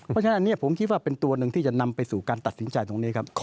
เพราะฉะนั้นอันนี้ผมคิดว่าเป็นตัวหนึ่งที่จะนำไปสู่การตัดสินใจตรงนี้ครับ